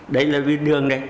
đấy là vì đưa này